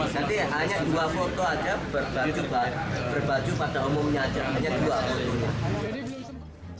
jadi hanya dua foto aja berbaju pada umumnya aja hanya dua